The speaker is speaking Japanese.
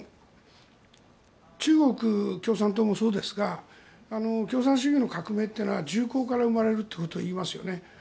中国共産党もそうですが共産主義の革命っていうのは銃口から生まれるといいますよね。